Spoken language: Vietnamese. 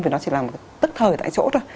thì nó chỉ là một cái tức thời tại chỗ thôi